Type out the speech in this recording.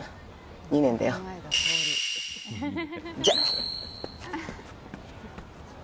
２年だよ、じゃ！